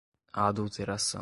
adulteração